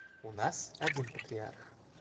У нас — один патриарх.